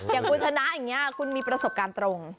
อย่างคุณชนะอย่างนี้คุณมีประสบการณ์ตรง